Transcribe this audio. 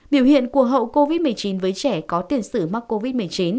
biểu hiện của hậu covid một mươi chín với trẻ có tiền sử mắc covid một mươi chín